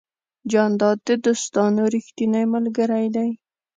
جانداد د دوستانو ریښتینی ملګری دی.